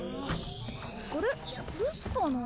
あれっ？留守かな？